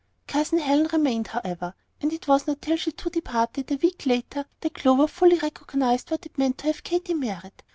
Cousin Helen remained, however; and it was not till she too departed, a week later, that Clover fully recognized what it meant to have Katy married.